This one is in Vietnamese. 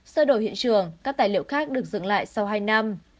sơ đổi hiện trường các tài liệu khác được dựng lại sau hai năm